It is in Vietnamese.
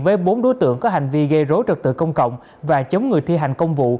với bốn đối tượng có hành vi gây rối trật tự công cộng và chống người thi hành công vụ